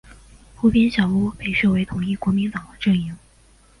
湖边小屋被视为统一国民党的阵营。